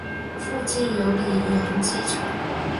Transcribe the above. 附近有里扬机场。